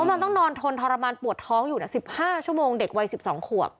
มันต้องนอนทนทรมานปวดท้องอยู่๑๕ชั่วโมงเด็กวัย๑๒ขวบ